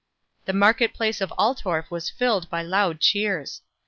The market place of Altorf was filled by loud cheers.